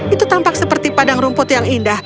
itu tampak seperti padang rumput yang indah